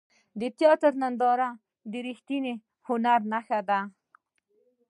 د تیاتر ننداره د ریښتیني هنر نښه ده.